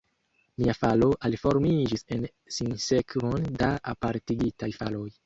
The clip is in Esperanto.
Mia falo aliformiĝis en sinsekvon da apartigitaj faloj.